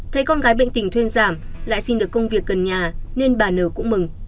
thấy con gái bệnh tình thuyên giảm lại xin được công việc gần nhà nên bà n cũng mừng